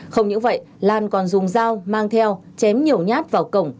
không những vậy lan còn dùng dao mang theo chém nhiều nhát vào cổng